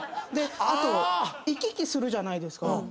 あと行き来するじゃないですか。